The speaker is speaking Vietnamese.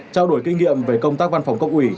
trao đổi kinh nghiệm về công tác văn phòng cấp ủy